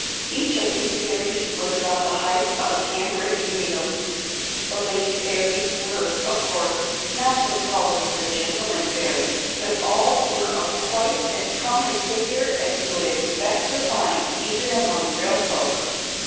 Each of these fairies was about the height of a cambric needle. The lady fairies were, of course, not so tall as the gentleman fairies, but all were of quite as comely figure as you could expect to find even among real folk.